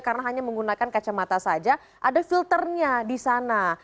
karena hanya menggunakan kacamata saja ada filternya di sana